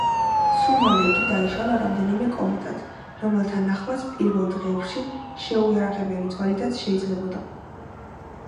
სულ მალე იგი დაიშალა რამდენიმე კომეტად, რომლეთა ნახვაც პირველ დღეებში, შეუიარაღებელი თვალითაც შეიძლებოდა.